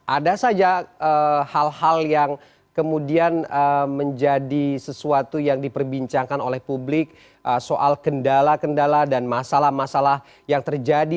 ada saja hal hal yang kemudian menjadi sesuatu yang diperbincangkan oleh publik soal kendala kendala dan masalah masalah yang terjadi